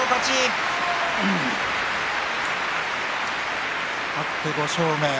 拍手勝って５勝目。